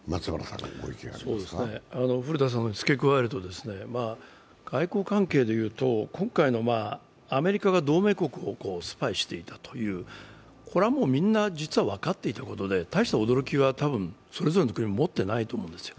古田さんにつけ加えると、外交関係でいうと今回のアメリカが同盟国をスパイしていたという、これはもうみんな実は分かっていたことでたいした驚きは多分それぞれの国持っていないと思うんですよ。